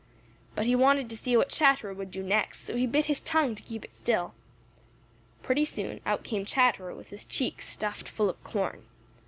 But he wanted to see what Chatterer would do next, so he bit his tongue to keep it still. Pretty soon out came Chatterer with his cheeks stuffed full of corn.